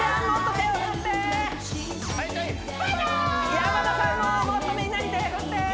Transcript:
山田さんももっとみんなに手振ってー！